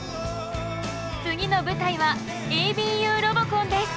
次の舞台はＡＢＵロボコンです！